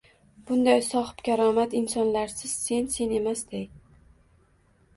Bunday sohibkaromat insonlarsiz sen-sen emasday.